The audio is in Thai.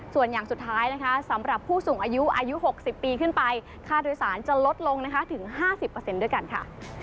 ส่วนอย่างสุดท้ายนะคะสำหรับผู้สูงอายุอายุ๖๐ปีขึ้นไปค่าโดยสารจะลดลงนะคะถึง๕๐ด้วยกันค่ะ